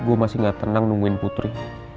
gue masih gak tenang nungguin putri